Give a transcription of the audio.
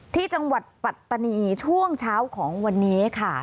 ที่จังหวัดปัตตานีช่วงเช้าของวันนี้ค่ะ